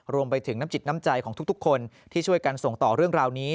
รวมไปถึงน้ำจิตน้ำใจของทุกคนที่ช่วยกันส่งต่อเรื่องราวนี้